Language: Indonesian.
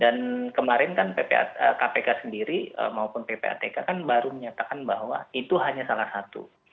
dan kemarin kan kpk sendiri maupun ppatk kan baru menyatakan bahwa itu hanya salah satu